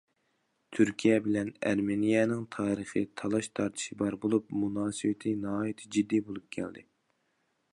تۈركىيە بىلەن ئەرمېنىيەنىڭ تارىخىي تالاش-تارتىشى بار بولۇپ، مۇناسىۋىتى ناھايىتى جىددىي بولۇپ كەلدى.